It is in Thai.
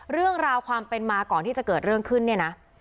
เรื่องราวความเป็นมาก่อนที่จะเกิดเรื่องขึ้นเนี่ยนะ